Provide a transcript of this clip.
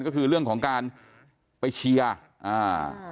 ก็คือเรื่องของการไปเชียร์อ่า